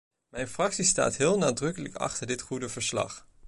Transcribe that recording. Mijn fractie staat heel nadrukkelijk achter dit goede verslag.